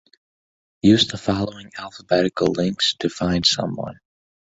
Use the following alphabetical links to find someone.